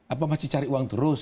apa masih cari uang terus